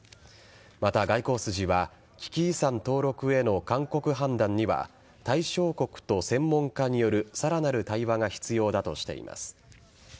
また、外交筋は危機遺産登録への勧告判断には対象国と専門家によるさらなる対話が必要だとしています。